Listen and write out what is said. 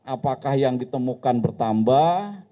apakah yang ditemukan bertambah